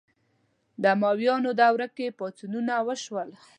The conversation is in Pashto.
د امویانو دوره کې پاڅونونه وشول